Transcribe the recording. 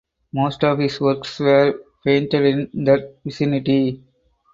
Most of his works were painted in that vicinity.